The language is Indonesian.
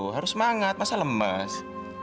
harus semangat masa lemas